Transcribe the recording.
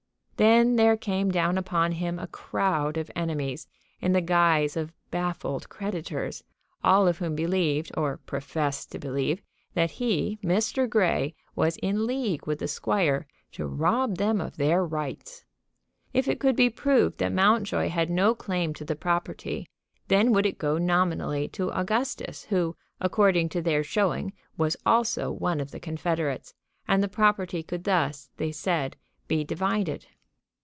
Then there came down upon him a crowd of enemies in the guise of baffled creditors, all of whom believed, or professed to believe, that he, Mr. Grey, was in league with the squire to rob them of their rights. If it could be proved that Mountjoy had no claim to the property, then would it go nominally to Augustus, who according to their showing was also one of the confederates, and the property could thus, they said, be divided.